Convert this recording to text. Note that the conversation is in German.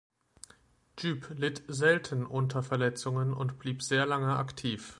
Grzyb litt selten unter Verletzungen und blieb sehr lange aktiv.